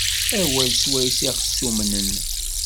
Awal s wayes i ɣ-ssumnen.